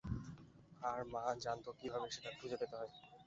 আর মা জানত কিভাবে সেটা খুঁজে পেতে হয়।